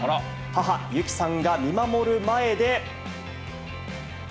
母、有貴さんが見守る前で。